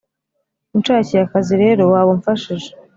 unshakiye akazi rero waba umfashije."